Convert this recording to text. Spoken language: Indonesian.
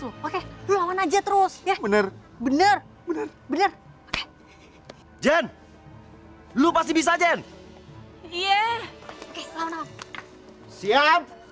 lo oke lu awan aja terus ya bener bener bener bener jen lu pasti bisa jen iya siap dua belas